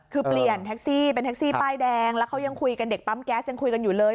คือเปลี่ยนแท็กซี่เป็นแท็กซี่ป้ายแดงแล้วเขายังคุยกันเด็กปั๊มแก๊สยังคุยกันอยู่เลย